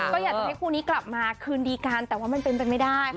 ก็อย่าจะให้คู่นี้กลับมาคืนดีกันแต่อนไม่ได้